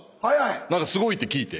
何かすごいって聞いて。